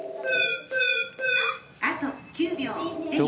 あと９秒。